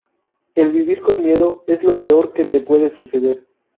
El vivir con miedo es lo peor que te puede suceder".